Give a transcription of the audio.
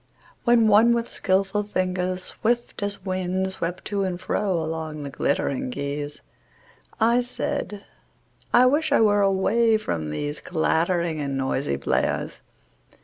WHEN one with skillful fingers swift as wind Swept to and fro along the glittering keys, I said: I wish I were away from these Clattering and noisy players!